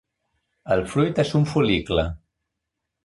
El fruit és un fol·licle.